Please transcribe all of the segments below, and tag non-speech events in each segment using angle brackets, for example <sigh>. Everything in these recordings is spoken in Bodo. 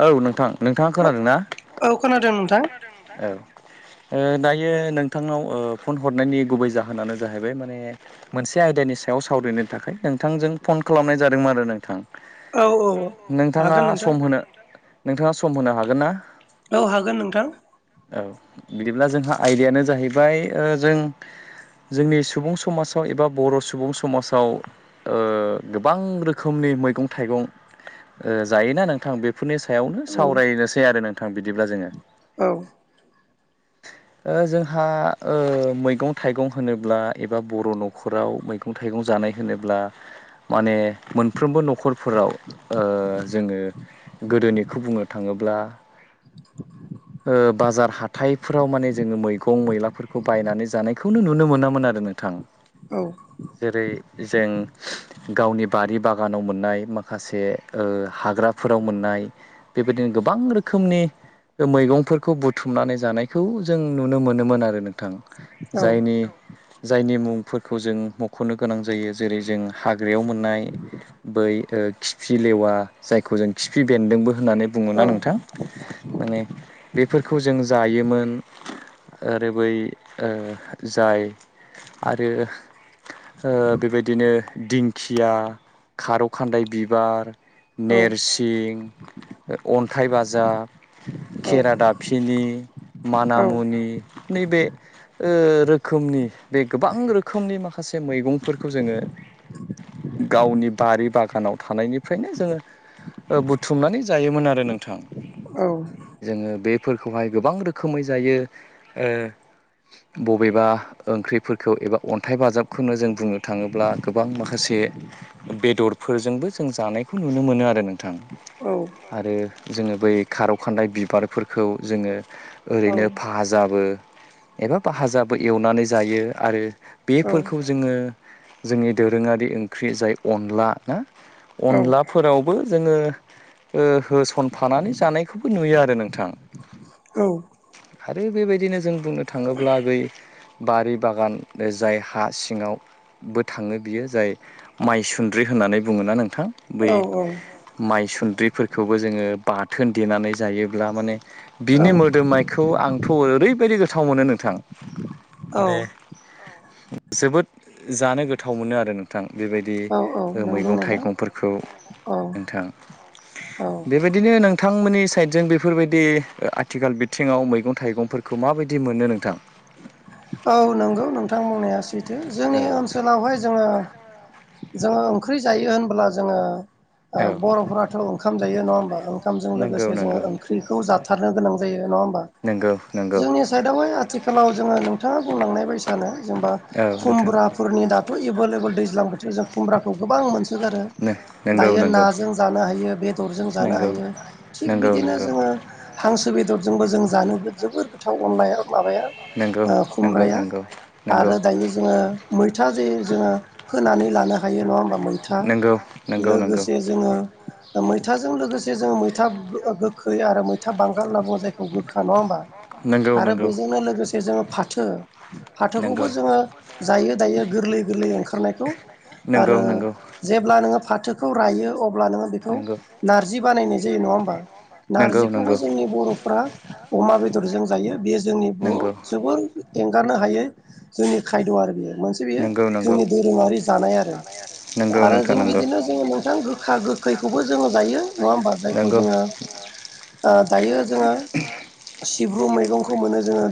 औ नोंथां नोंथाङा औ खोनादों ना? औ खोनादों नोंथां। औ ओ दायो नोंथांनाव ओ फन हरनायनि गुबै जाहोनानो जाहैबाय माने मोनसे आयदा नि सायाव सावरायनो थाखाय नोंथांजों फन खालामनाय जादोंमोन आरो नोंथां। औ औ नोंथाङा हागोन नोंथां सम होनो नोंथाङा सम होनो हागोन ना? औ हागोन नोंथां औ बिदिब्ला जोंहा आयदायानो जाहैबाय ओ जों जोंनि सुबुं समाजाव एबा बर' सुबुं समाजाव ओ गोबां रोखोमनि मैगं थाइगं ओ जोयोना नोंथां बेफोरनि सायावनो औ सावरायनोसै आरो नोंथां बिदिब्ला जोङो। औ <inaudible> ओ जोंहा ओ मैगं थाइगं होनोब्ला एबा बर' न'खराव मैगं थाइगं जानाय होनोब्ला माने मोनफ्रोमबो न'खरफोराव ओ जोङो गोदोनिखौ बुंनो थाङोब्ला ओ बाजार हाथाइफोराव माने जोङो मैगं मैलाफोरखौ बायनानै जानायखौनो नुनो मोनामोन आरो नोंथां। औ जेरै जों गावनि बारि बागानाव मोननाय माखासे ओ हाग्राफोराव मोननाय बेबायदिनो गोबां रोखोमनि ओ मैगंफोर खौ बुथुमनानै जानायखौ जों नुनो मोनोमोन आरो नोंथां। औ जायनि जायनि मुंफोरखौ जों मख'नो गोनां जायो जेरै जों हाग्रायाव मोननाय बै ओ खिफि लेवा जायखौ जों खिफि बेन्दोंबो होननानै औ बुङोना नोंथां। माने बेफोरखौ जों जायोमोन। आरो बै ओ जाय आरो ओ बेबायदिनो दिंखिया, खारौ खान्दाय बिबार औ नोरसिं, अन्थाइ बाजाब, औ दाफिनि, औ मानामुनि नैबे ओ रोखोमनि बे गोबां रोखोमनि माखासे मैगंफोरखौ जोङो गावनि बारि बागानाव थानायनिफ्रायनो जोङो ओ बुथुमनानै जायोमोन आरो नोंथां। औ जोङो बेफोरखौहाय गोबां रोखोमै जायो ओ बबेबा ओंख्रिफोरखौ एबा अन्थाइ बाजाबखौनो जों बुंनो थाङोब्ला गोबां माखा से बेदरफोरजोंबो जों जानायखौ नुनो मोनो आरो नोंथां। आरो जोङो बै खारौ खान्दाइ बिबारफोर खौ जोङो ओरैनो फाजाबो एबा भाजाबो एवनानै जायो आरो बेफोरखौ जोङो जोंनि दोरोङारि ओंख्रि जाय अनला ओ अनलाफोराव बो जोङो ओ होसनफानानै जानायखौबो नुयो आरो नोंथां। औ। आरो बेबायदिनो जों बुंनो थाङोब्ला बै बारि बागान जाय हा सिङाव बो थाङो बियो जाय माइसुन्द्रि होननानै बुङोना नोंथां। बै माइसुन्द्रिफोरखौबो जोङो बाथोन देनानै जायोब्ला माने बिनि मोदोमनायखौ आंथ' ओरैबायदि गोथाव मोनो नोंथां। औ औ माने जोबोद जानो गोथाव मोनो आरो नोंथां। बेबायदि औ नंगौ मैगं नोंथां थाइगंफोरखौ औ नोंथां। औ बेबायदिनो नोंथांमोननि साइडजों बेफोरबायदि आथिखाल बिथिङाव मैगं थाइगंफोरखौ माबायदि मोनो नोंथां। औ नंगौ नोंथां बुंनाया सैथो जोंनि औ ओनसोलावहाय जोङो। जोङो ओंख्रि जायो होनब्ला जोङो औ बर'फोराथ' ओंखाम जायो नङा होमबा ओंखामजों नंगौ लोगोसे जोङो नंगौ ओंख्रिखौ जाथारनो गोनां यो नङा होनबा नंगौ नंगौ जोंनि सायदावहाय आथिखालाव जोङो नोंथाङा बुंलांनाय बै साना जेनबा औ नोंथां खुमब्राफोरनि दाथ एबालेबोल दैजां बोथोर ज खौ गोबां मोनसोगारो। नंगौ दायो नंगौ नाजों जानो हायो बेदरजों जानो नंगौ हायो थिग नंगौ बिदिनो नंगौ जोङो हां सो बेदरजोंबो जों जानो जोबोर गोथाव अनलाया माबाया नंगौ ओ नंगौ खुमब्राया नंगौ नंगौ आरो दायो जोङो मैथा जे जोङो फोनानै लानो हायो नङा होमबा मैथा नंगौ नंगौ लोगोसे जोङो मैथाजों लोगोसे जोङो मैथा गोखै आरो मैथा बांगाल होनना बुङो जायखौ गोखा नङा होनोमबा। नोंगौ नोंगौ। जोङो फाथो फाथोखौबो जोङो जायो दायो गोरलै गोरलै ओंखारनायखौ। आरो नंगौ नंगौ जेब्ला नोङो फ थोखौ रायो अब्ला नोङो बेखौ नारजि बानायनाय जायो नङा होम्बा। नंगौ नंगौ नारजिखौबो जोंनि बर'फ्रा अमा बेदरजों जायो बेयो जोंनि बुहुद नंगौ एंगारनो हायो जोंनि खायद' आरो बेयो। मोनसे बेयो नंगौ नंगौ जोंनि दोरोङारि जानाय आरो। नंगौ आरो नोंथां जों नंगौ बिदिनो जोङो नोंथां गोखा गोखैखौबो जोङो जायो नङा होम्बा जायखौ नंगौ जोङो ओ दायो जोङो सिब्रु मैगंखौ मोनो जोङो।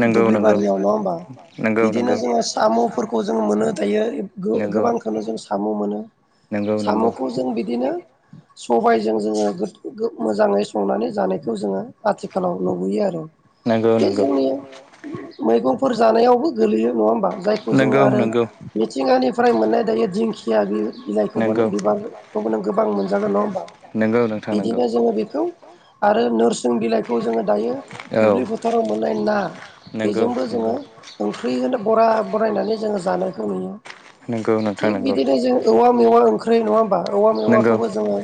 नंगौ दुबलि नंगौ बारिआव नङा होम्बा। नंगौ नंगौ बिदिनो जोङो साम'फोरखौ जों मोनो दायो गोबांखौनो जों साम' मोनो। नंगौ नंगौ साम'खौ जों बिदिनो सबायजों जोङो मोजाङै संनानै जानायखौ जोङो आथिखालाव नुबोयो आरो। नंगौ बे नंगौ। जोंनि मैगंफोर जानायावबो गोलैयो नङा होमबा जायखौ जों नंगौ आरो नंगौ मिथिंगानिफ्राय मोननाय दायो दिंखिया बिलाइ जायखौबो नंगौ बिबार बेखौबो नों गोबां मोनजागोन नङा होमबा नंगौ नोंथां नंगौ बिदिनो जोङो बिखौ आरो नो जों बिलाइखौ जोङो दायो औ दुब्लि फोथाराव मोननाय ना नंगौ बेजोंबो जोङो नंगौ ओंख्रि होन बरा बरायनानै जोङो जानायखौ नुयो। नंगौ नोंथां थिग नंगौ बिदिनो जों औवा मेवा ओंखा ख्रै नङा होमबा औवा नंगौ मेवाखौबो जोङो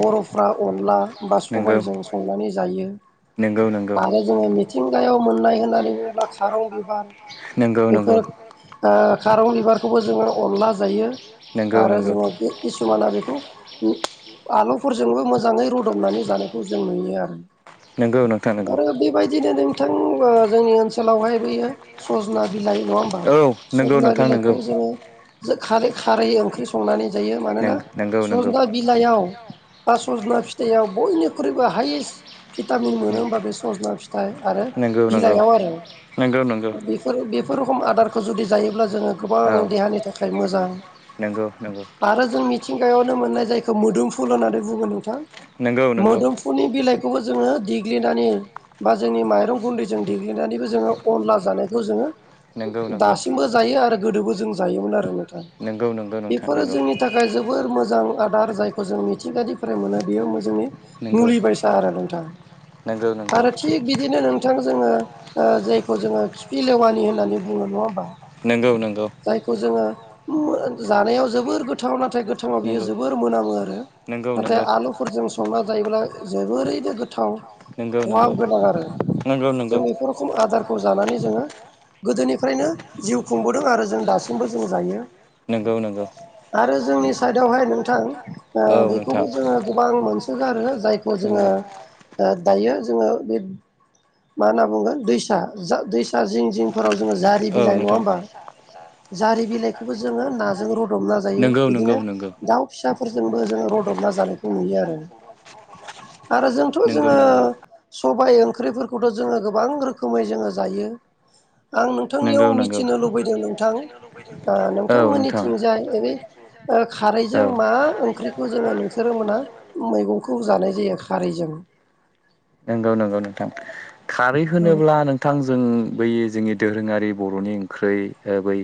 बर'फ्रा अनला बा नंगौ सबायजों संनानै जायो नंगौ नंगौ आरो जोङो मिथिंगायाव मोननाय होननानै जेनबा खारं बिबार नंगौ नंगौ बेफोर ओ खारं बिबारखौबो जोङो अनला जायो। नंगौ आरो नंगौ जोङो कि-किसुमाना बेखौ इ आलुफोरजोंबो मोजाङै रुदबनानै जानायखौ जों नुयो आरो। नंगौ नोंथां नंगौ आरो बे बायदिनो नों थों ओ जोंनि ओनसोलावहाय बेैयो सजना बिलाइ नङा होमबा औ नंगौ सजना नोंथां नंगौ बिलाइखौबो जोङो जो खारै खारै ओंख्रि संनानै जायो मानोना नंगौ नंगौ सजना बिलाइयाव बा सज'ना फिथाइयाव बयनिख्रुइबो हायेस्ट भिटामिन मोनो होमबा बे सज'ना फिथाइ आरो नंगौ नंगौ बिलाइयाव आरो। नंगौ नंगौ बेफोर बेफोर रोखम आदारखौ जुदि जायोब्ला जोङो गोबां औ देहानि थाखाय मोजां नंगौ नंगौ आरो जोंनि मिथिंगायावनो मोननाय जायखौ मोदोमफुल होननानै बुङो नोंथां नंगौ मोदोमफुलनि बिलाइ खौबो जोङो देग्लिनानै बा जोंनि माइरं गुन्दैजों देग्लिनानैबो जोङो अनला जानायखौ जोङो नंगौ नंगौ दासिमबो जायो आरो गोदोबो जों जायोमोन आरो नों थां नंगौ नंगौ नोंथां बेफोरो नंगौ जोंनि थाखाय जोबोर मोजां आ आरो जायखौ जों मिथिंगानिफ्राय मोनो बेयो मो जोंनि नंगौ मुलि बायसा आरो नोंथां नंगौ आरो थिग बिदिनो नोंथां जोङो ओ जायखौ जोङो खिफि लेवानि होननानै बुङो नङा होमबा। नंगौ नंगौ जायखौ जोङो मु ओ जानायाव जोबोर गोथाव ना थाय गोथाङाव बियो जोबोर मोनामो आरो नंगौ नंगौ नाथाय आलुफोरजों संना जायोब्ला जोबोरैनो गोथाव नंगौ खहाब नंगौ गोनां आरो। नंगौ नंगौ जों बेफोर खोम आदारखौ जानानै जोङो गोदोनिफ्रायनो जिउ खुंबोदों आरो जों दासिमबो जों जायो। नोंगौ नोंगौ। आरो जोंनि साइडावहाय नोंथां ओ औ नोंथां बेखौबो जोङो गोबां मोनसोगारो जायखौ जोङो नंगौ ओ दायो जोङो बेब मा होनना बुंगोन दैसा जा दैसा जिं जिंफोराव जोङो जारि औ बिलाइ नङा नोंथां होमबा जारि बिलाइ खौबो जोङो नाजों रुदबना जायो नंगौ नंगौ बिदिनो नंगौ दाउ फिसा फोरजोंबो जोङो रदबना जानायखौ नुयो आरो। आरो जोंथ' नंगौ जोङो नंगौ सबाय ओंख्रिफोरखौथ' जोङो गोबां रो खोमै जोङो जायो। आं नोंथांनियाव नंगौ नंगौ मिथिनो लुबैदों नोंथां ओ औ नोंथां नोंथांमोननिथिंजाय ओ बे ओ औ खारैजों मा ओंख्रिखौ जोङो नोंसोरो मोना मैगं खौ जानाय जायो खारैजों? नोंगौ नोंगौ नोंथां। खारै औ होनोब्ला नोंथां जों बै जोंनि दोरोङारि बर'नि ओंख्रै ओ बै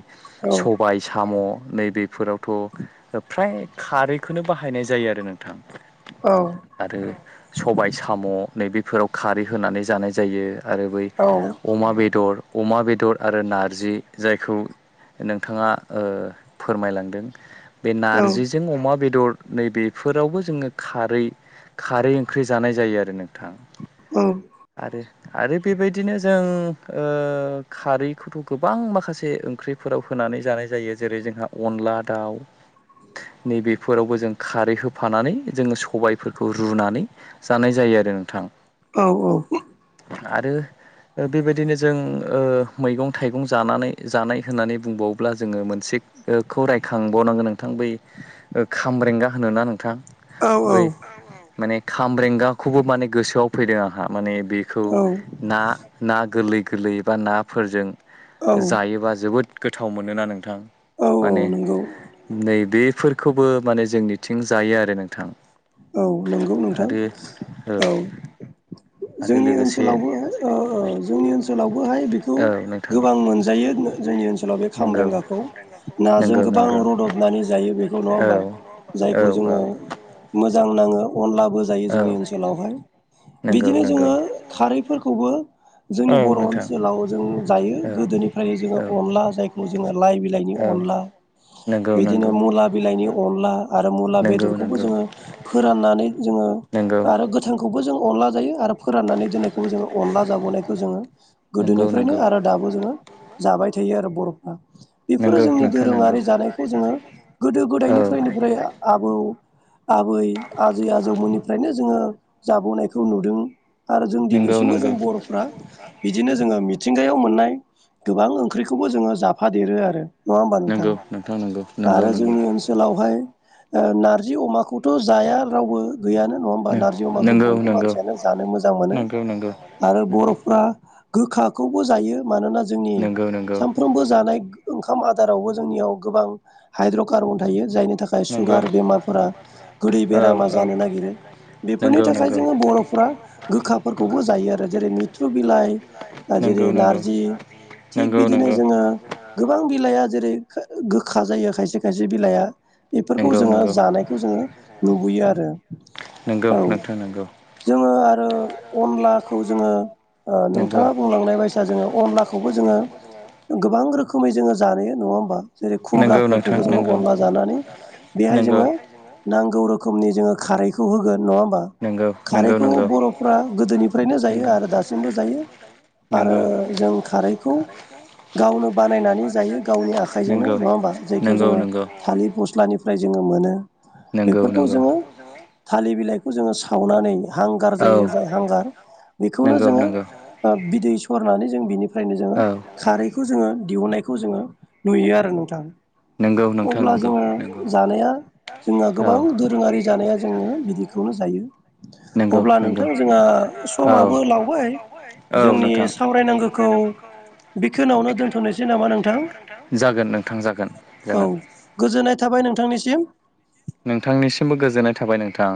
औ सबाय साम' नैबेफोराव थ' ओ फ्राय खारैखोनो बाहायनाय जायो आरो नोंथां। औ आरो सबाय साम' नैबेफोराव खारै होनानै जानाय जायो। आरो बै औ अमा बेदर अमा बे दर आरो नारजि जायखौ नोंथाङा ओ फोरमायलांदों। बे नारजिजों अमा बेदर नै बेफोरावबो जोङो खारै खारै ओंख्रि जानाय जायो आरो नों थां औ आरो आरो बेबायदिनो जों ओ खारैखौथ' गोबां माखासे ओंख्रिफोराव हो नानै जानाय जायो जेरै जोंहा अनला दाउ नै बेफोरावबो जों खारै होफानानै जोङो सबायफोरखौ रुनानै जानाय जायो आरो नोंथां औ औ। आरो ओ बेबायदिनो जों ओ मैगं थाइगं जानानै जानाय होननानै बुंबावोब्ला जोङो मोनसे ओ खौ रायखांबावनांगोन नोंथां बै ओ खामरेंगा होनोना नोंथां। बै माने खामब्रेंगाखौबो माने गोसोआव फैदों आंहा माने बेखौ ना ना गोरलै गोरलै बा नाफोरजों औ जायोबा जोबोद गोथाव मोनोना नोंथां औ माने औ नंगौ नैबे फोरखौबो माने जोंनिथिं जायो आरो नोंथां। औ नोंगौ नोंथां आरो औ। आरो जोंनि लोगोसे ओनसोलावबोहाय ओ जोंनि ओनसोलावबोहाय बेखौ औ नोंथां गोबां मोनजायो जोंनि ओनसोलाव बे नंगौ खामब्रेंगाखौ। नाजों नंगौ गोबां नंगौ रदबनानै जायो। बेखौ नङा औ होमबा, औ जायखौ औ जोङो मोजां नाङो। अनलाबो जायो औ जोंनि ओनसोलावहाय। नंगौ बिदिनो नंगौ जोङो खारैफोरखौबो औ जोंनि बर' नोंथां ओनसोलाव जों जायो औ गोदोनिफ्रायनो जोङो औ अनला जायखौ जोङो लाइ बिलाइनि औ अनला, नंगौ बिदिनो नंगौ मुला बिलाइनि अनला आरो मुला नंगौ बेदरखौबो नंगौ जोङो फोराननानै जोङो नंगौ आरो गोथांखौ बो जों अनला जायो आरो फोराननानै दोनायखौबो जोङो अनला जाबोनायखौ जोङो नंगौ गोदोनिफ्रायनो नंगौ आरो दाबो जोङो जाबाय थायो आरो बर'फ्रा। बेफोरो नंगौ जोंनि नोंथां नंगौ दोरोङारि जानायखौ जोङो गोदो औ गोदायनिफ्राय निफ्राय आबौ आबै आजै आजौमोननिफ्रायनो जोङो जाबोनायखौ नुदों आरो जों नंगौ दिनैसिमबो जों नंगौ बर'फ्रा बिदिनो जोङो मिथिंगायाव मोननाय गोबां ओंख्रिखौबो जोङो जाफादेरो आरो। नङा होमबा नोंथां। नंगौ नंगौ नंगौ आरो नंगौ जोंनि ओनसोलावहाय नारजि अमाखौथ' जाया रावबो गैयानो नङा होमबा नंगौ नारजि अमाखौ नंगौ बयबो नंगौ मानसियानो जानो मोजां मोनो। नंगौ नंगौ आरो बर'फ्रा गोखाखौबो जायो मानोना जोंनि नंगौ नंगौ सानफ्रोमबो जानाय ओंखाम आदारावबो जोंनियाव गोबां हाइद्र'कार्बन थायो, जायनि थाखाय नंगौ सुगार बेमारफोरा गोदै औ बेरामा औ जानो नागिरो। बेफोरनि नंगौ थाखाय नंगौ जोङो बर'फ्रा गोखाफोरखौबो जायो आरो जेरै थ्रु बिलाइ, नंगौ जेरै नंगौ नारजि थिग नंगौ नंगौ बिदिनो जोङो गोबां बिलाया जेरै गोखा जायो, खायसे खसे बिलाया बेफोरखौ नंगौ जोङो जानाय जोङो नुबोयो आरो। औ जोङो आरो अनलाखौ जोङो, नंगौ नोंथाङा बुंलांनाय बायसा जोङो अनला खौबो जोङो गोबां रोखोमै जोङो जायो नङा होमबा। जेरै नंगौ नोंथां खुमब्राफोरखौबो जोङो नंगौ अनला जानानै बेहाय नंगौ जोङो नांगौ रोखोमनि जोङो खारैखौ होगोन, नङा नंगौ <unintelligible> नोंथां नंगौ नंगौ खारैखौ बर'फ्रा गोदोनिफ्रायनो जायो आरो दासिमबो जायो। आरो नंगौ नंगौ जों खारैखौ गावनो बानायनानै जायो गावनि आखाइजोंनो नंगौ नंगौ नङा होमबा जायखौ नंगौ जोङो नंगौ थालिर फस्लानिफ्राय जोङो मोनो। नंगौ बेफोरखौ नंगौ नंगौ जोङो थालिर बिलाइखौ जोङो सावनानै हांगार औ जायो जाय हांगार बेखौनो नंगौ जोङो नंगौ बिदै सरनानै जों बिनि फ्रायनो जोङो औ खारैखौ जोङो दिहुननायखौ जोङो नुयो आरो नोंथां। नंगौ नोंथां अब्ला नंगौ जोङो नंगौ जानाया जोंहा औ गोबां दोरोङारि जानाया जोङो बिदिखौनो जायो, नंगौ अब्ला नंगौ नोंथां जोंहा औ समाबो लावबाय, औ जोंनि नोंथां सावरायनांगौखौ बिखिनावनो दोन्थ'नोसै नामा नोंथां। औ, जागोन नोंथां जागोन जागोन गोजोननाय थाबाय नोंथांनिसिम। नोंथांनिसिमबो गोजोननाय थाबाय नोंथां।